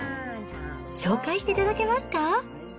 紹介していただけますか？